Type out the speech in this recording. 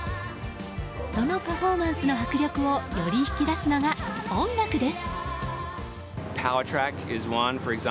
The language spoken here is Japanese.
そのパフォーマンスの迫力をより引き出すのが音楽です。